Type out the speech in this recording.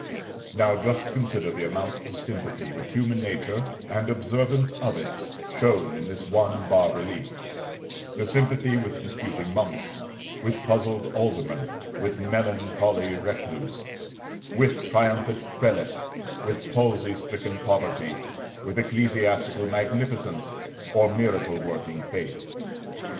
Now just consider the amount of sympathy with human nature, and observance of it, shown in this one bas relief; the sympathy with disputing monks, with puzzled aldermen, with melancholy recluse, with triumphant prelate, with palsy stricken poverty, with ecclesiastical magnificence, or miracle working faith.